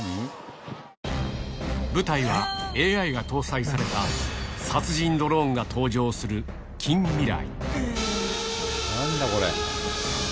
舞台は、ＡＩが搭載された殺人ドローンが登場する近未来。